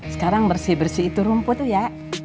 sekarang bersih bersih itu rumput tuh ya